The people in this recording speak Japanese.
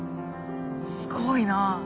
すごいな。